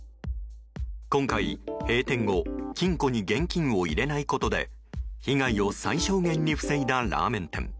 今回、閉店後金庫に現金を入れないことで被害を最小限に防いだラーメン店。